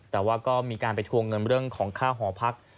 แต่ว่าก็มีการไปทวงเงินเรื่องของค่าหอพัก